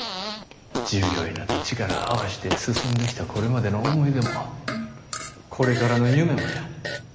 従業員らと力合わして進んできたこれまでの思い出もこれからの夢もや。